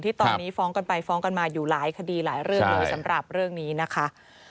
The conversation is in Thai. ตอนนี้ฟ้องกันไปฟ้องกันมาอยู่หลายคดีหลายเรื่องเลยสำหรับเรื่องนี้นะคะ